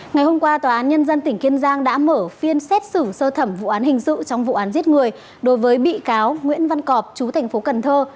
ngày hôm qua tòa án nhân dân tỉnh kiên giang đã mở phiên xét xử sơ thẩm vụ án hình sự trong vụ án giết người đối với bị cáo nguyễn văn cọp chú thành phố cần thơ